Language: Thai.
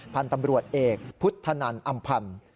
พันธุ์ตำรวจเอกพุทธนันอำพันธ์